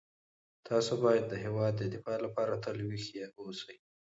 تاسو باید د هیواد د دفاع لپاره تل ویښ اوسئ.